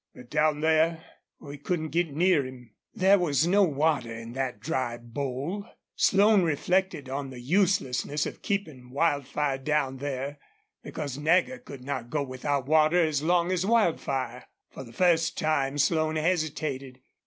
But down there we couldn't get near him." There was no water in that dry bowl. Slone reflected on the uselessness of keeping Wildfire down there, because Nagger could not go without water as long as Wildfire. For the first time Slone hesitated.